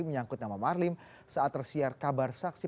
menyangkut nama marlim saat tersiar kabar saksi